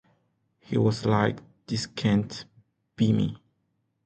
I was like, 'This can't be me.